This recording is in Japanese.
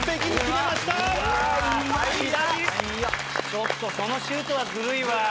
ちょっとそのシュートはずるいわ。